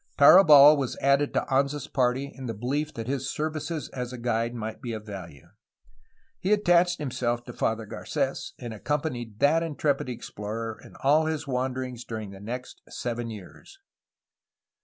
Tarabal was added to Anza's party in the belief that his services as guide might be of value. He attached himself to Father Garces, and accompanied that intrepid explorer in all his wanderings during the next seven years.